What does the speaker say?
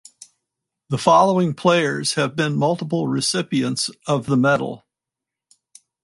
The following players have been multiple recipients of the medal.